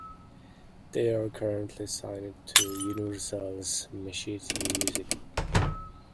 They are currently signed to Universal's Machete Music.